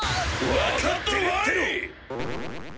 分かっとるわい！